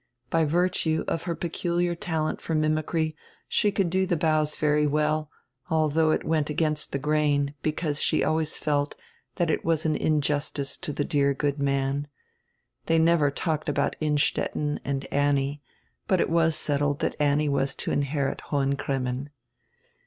By virtue of her peculiar talent for mimicry, she could do die bows very well, although it went against the grain, because she always felt diat it was an injustice to the dear good man — They never talked about Innstetten and Annie, but it was settled diat Annie was to inherit Hohen Cremmen.